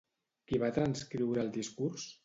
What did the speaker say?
Qui va transcriure el discurs?